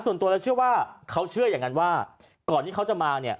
ส่วนตัวแล้วเชื่อว่าเขาเชื่ออย่างนั้นว่าก่อนที่เขาจะมาเนี่ย